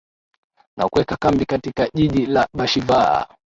na kuweka kambi katika jiji la bashivaa